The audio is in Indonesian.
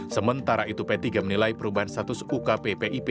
sementara itu p tiga menilai perubahan status ukppip